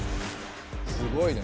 すごいね。